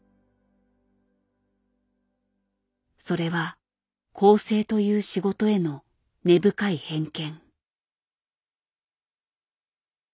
それは校正という仕事への根深い偏見。